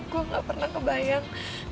gue gak pernah ngebayang